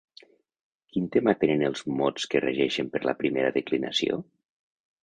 Quin tema tenen els mots que es regeixen per la primera declinació?